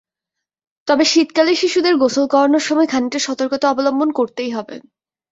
তবে শীতকালে শিশুদের গোসল করানোর সময় খানিকটা সতর্কতা অবলম্বন করতেই হবে।